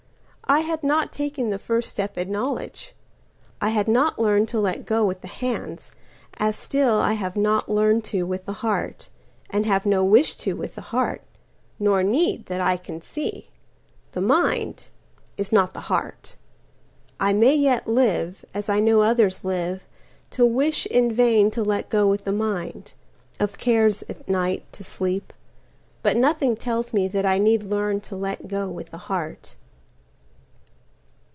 I had not taken the first step in knowledge;I had not learned to let go with the hands, As still I have not learned to with the heart, And have no wish to with the heart—nor need, That I can see. The mind—is not the heart.I may yet live, as I know others live, To wish in vain to let go with the mind—Of cares, at night, to sleep; but nothing tells meThat I need learn to let go with the heart.